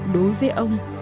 đối với ông